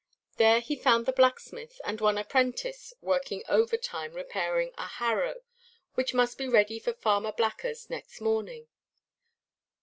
There he found the blacksmith and one apprentice working overtime, repairing a harrow, which must be ready for Farmer Blackers next morning.